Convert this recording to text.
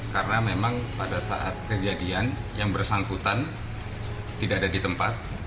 karena memang pada saat kejadian yang bersangkutan tidak ada di tempat